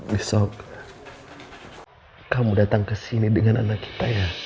besok kamu datang ke sini dengan anak kita ya